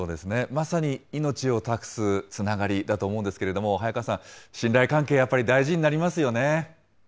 まさに命を託すつながりだと思うんですけども、早川さん、信頼関係、やっぱり大事になりますよね。